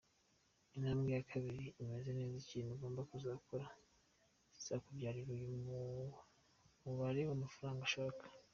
Intambwe ya kabiri: imeza neza ikintu ugomba kuzakora kizakubyarira uyu mubare w’amafaranga ushaka.